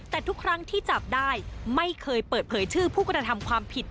แต่ทุกครั้งที่จับได้ไม่เคยเปิดเผยชื่อผู้กระทำความผิด